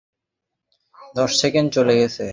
দশ সেকেন্ড চলে গেছে।